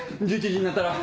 １１時になったら。